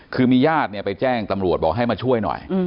คือมีญาติเนี่ยไปแจ้งตำรวจบอกให้มาช่วยหน่อย